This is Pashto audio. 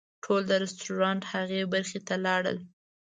ټول د رسټورانټ هغې برخې ته لاړل.